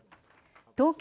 東京